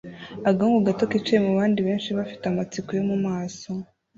Agahungu gato kicaye mubandi bantu benshi bafite amatsiko yo mumaso